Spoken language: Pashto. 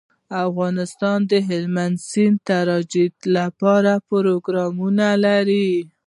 افغانستان د هلمند سیند د ترویج لپاره پروګرامونه لري.